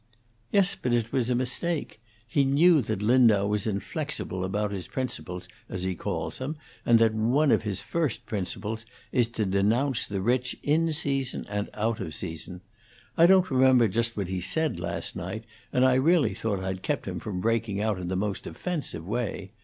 "Yes, but it was a mistake. He knew that Lindau was inflexible about his principles, as he calls them, and that one of his first principles is to denounce the rich in season and out of season. I don't remember just what he said last night; and I really thought I'd kept him from breaking out in the most offensive way.